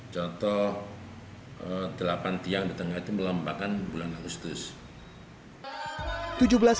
contoh delapan tiang di tengah itu melompakan bulan agustus